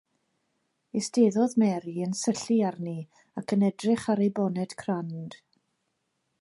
Eisteddodd Mary yn syllu arni ac yn edrych ar ei bonet crand.